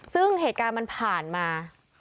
ซึ่งเหตุการณ์มันผ่านมา